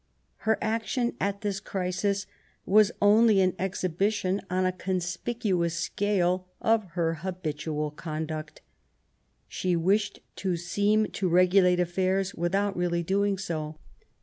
Her action at this crisis was only an exhibition on a conspicuous scale of her habitual conduct. She wished to seem to regulate affairs without really doing so.